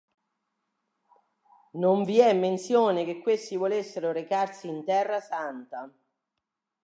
Non vi è menzione che questi volessero recarsi in Terra santa.